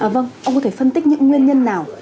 vâng ông có thể phân tích những nguyên nhân nào